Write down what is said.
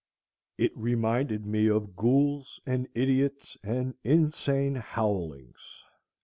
It reminded me of ghouls and idiots and insane howlings.